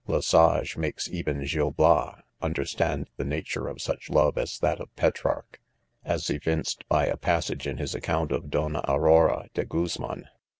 Le Sage makes even Gil Bias understand the nature of such love as that of Petrarch; as evinced by a passage in his account of Donna Aurora de Guzman.